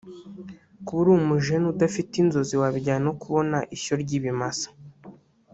kuba uri umu jeune udafite inzozi wabigereranya no kubona ishyo ry’ibimasa